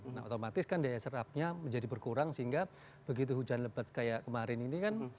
nah otomatis kan daya serapnya menjadi berkurang sehingga begitu hujan lebat kayak kemarin ini kan